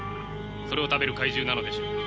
それを食べる怪獣なのでしょう。